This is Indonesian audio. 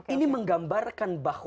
ini menggambarkan bahwa